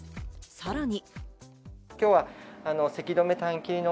さらに。